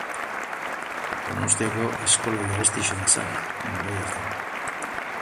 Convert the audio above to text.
Donostiako eskolarik garestiena zen, garai hartan.